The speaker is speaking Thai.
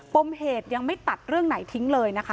ปมเหตุยังไม่ตัดเรื่องไหนทิ้งเลยนะคะ